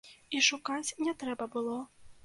І шукаць не трэба было.